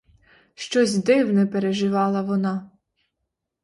Щось дивне переживала вона.